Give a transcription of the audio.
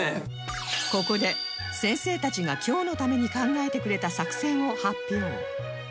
ここで先生たちが今日のために考えてくれた作戦を発表